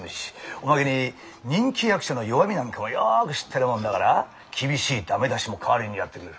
おまけに人気役者の弱みなんかもよく知ってるもんだから厳しい駄目出しも代わりにやってくれる。